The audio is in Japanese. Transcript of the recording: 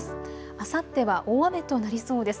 あさっては大雨となりそうです。